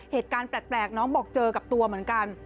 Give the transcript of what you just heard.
เหตุการณ์แปลกน้องบอกเจอกับตัวเหมือนกัน